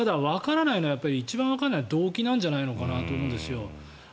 ただ、一番わからないのは動機なんじゃないかなと思うんですよ。